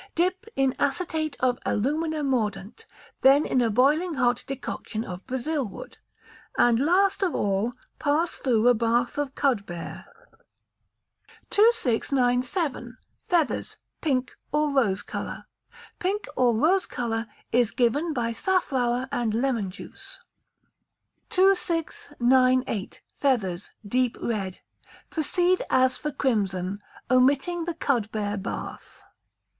Dip in acetate of alumina mordant, then in a boiling hot decoction of Brazil wood and, last of all, pass through a bath of cudbear. 2697. Feathers (Pink, or Rose colour). Pink, or rose colour, is given by safflower and lemon juice. 2698. Feathers (Deep Red). Proceed as for crimson, omitting the cudbear bath.